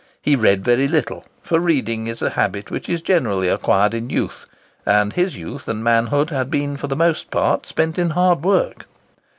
He read very little; for reading is a habit which is generally acquired in youth; and his youth and manhood had been for the most part spent in hard work.